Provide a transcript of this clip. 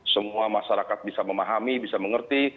semua masyarakat bisa memahami bisa mengerti